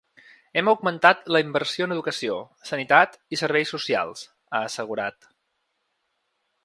Hem augmentat la inversió en educació, sanitat i serveis socials, ha assegurat.